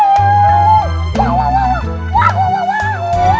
iya enggak mau lah